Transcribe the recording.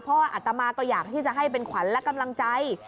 เพราะว่าอัตมาก็อยากที่จะให้เป็นขวัญและกำลังใจ